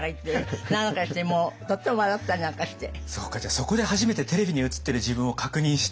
そこで初めてテレビに映ってる自分を確認して？